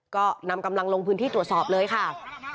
ก็นำกำลังลงพื้นที่ตรวจสอบเลยค่ะ